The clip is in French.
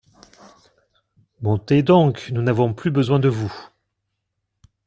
Montez donc, nous n'avons plus besoin de vous.